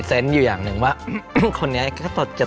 แต่เรายังลืมแฟนกล่าวไม่ได้